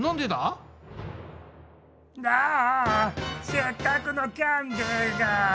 せっかくのキャンデーが！